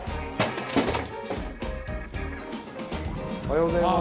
おはようございます。